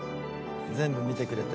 全部見てくれて。